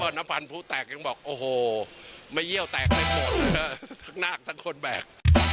นะพันผู้แตกยังบอกโอโหไม่เยี่ยวแตกเลยทั้งหน้ากาทันคนแบบ